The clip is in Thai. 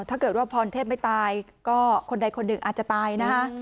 ถ้าเกิดว่าพรเทพไม่ตายก็คนใดคนหนึ่งอาจจะตายนะฮะ